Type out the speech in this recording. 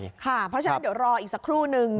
เพราะฉะนั้นเดี๋ยวรออีกสักครู่นึง